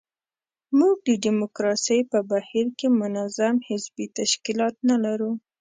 موږ د ډیموکراسۍ په بهیر کې منظم حزبي تشکیلات نه لرو.